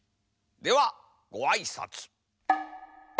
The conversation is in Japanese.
ではごあいさつ。